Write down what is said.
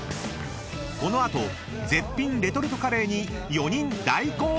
［この後絶品レトルトカレーに４人大興奮！］